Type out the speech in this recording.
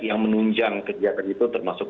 yang menunjang kegiatan itu termasuk